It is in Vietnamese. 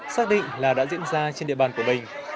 xác định là đã diễn ra trên địa bàn của mình